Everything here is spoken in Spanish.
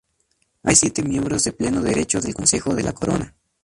Hay siete miembros de pleno derecho del Consejo de la Corona.